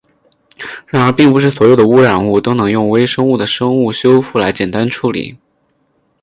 然而并不是所有的污染物都能用微生物的生物修复来简单处理。